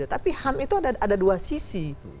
tapi ham itu ada dua sisi